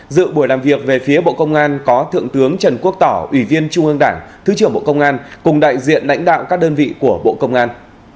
dự buổi làm việc về phía bộ công an có thượng tướng trần quốc tỏ ủy viên trung ương đảng thứ trưởng bộ công an cùng đại diện lãnh đạo các đơn vị của bộ công an